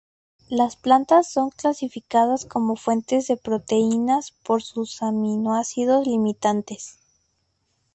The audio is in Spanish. Las plantas son clasificadas como fuentes de proteínas por sus aminoácidos limitantes.